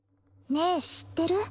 ねえ知ってる？